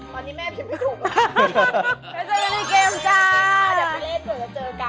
ตอนนี้แม่พิมพ์ไม่ถูกอะ